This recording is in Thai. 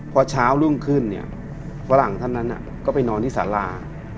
พอเช้ารุ่งขึ้นเนี่ยฝรั่งท่านนั้นก็ไปนอนที่สารา